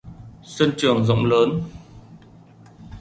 Sân trường rộng lớn